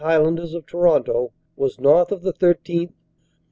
Highlanders of Toronto, was north of the 13th.